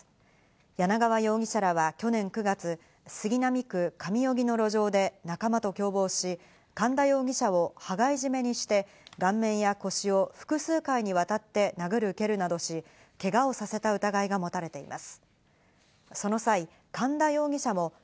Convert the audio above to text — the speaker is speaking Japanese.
柳川容疑者らは去年９月、杉並区上荻の路上で仲間と共謀し、寒田容疑者は羽交い締めにして顔面や腰を複数回にわたって殴る蹴るなどし、けがをさせた疑いが持たれています。